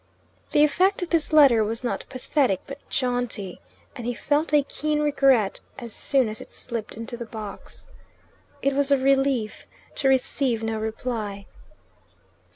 The effect of this letter was not pathetic but jaunty, and he felt a keen regret as soon as it slipped into the box. It was a relief to receive no reply.